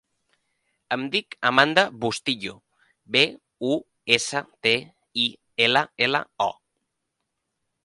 Em dic Amanda Bustillo: be, u, essa, te, i, ela, ela, o.